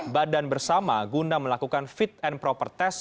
badan bersama guna melakukan fit and proper test